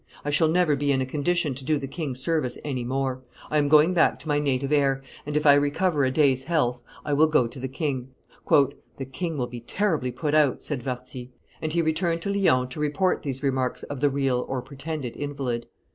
I shall never be in a condition to do the king service any more. I am going back to my native air, and, if I recover a day's health, I will go to the king." "The king will be terribly put out," said Warthy; and he returned to Lyons to report these remarks of the real or pretended invalid.